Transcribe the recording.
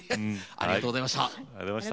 ありがとうございます。